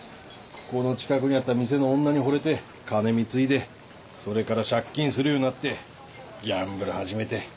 ここの近くにあった店の女にほれて金貢いでそれから借金するようになってギャンブル始めて。